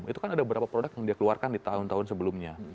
itu kan ada beberapa produk yang dia keluarkan di tahun tahun sebelumnya